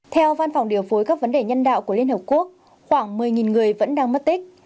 theo văn phòng điều phối các vấn đề nhân đạo của liên hợp quốc khoảng một mươi người vẫn đang mất tích